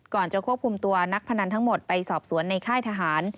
จะควบคุมตัวนักพนันทั้งหมดไปสอบสวนในค่ายทหาร